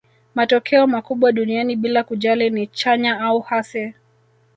matokeo makubwa duniani bila kujali ni chanya au hasi